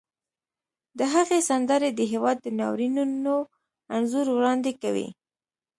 د هغې سندرې د هېواد د ناورینونو انځور وړاندې کوي